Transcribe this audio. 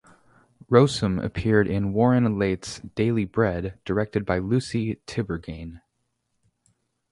Rossum appeared in Warren Leight's "Daily Bread", directed by Lucie Tiberghien.